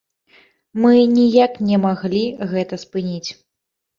Мы ніяк не маглі гэта спыніць.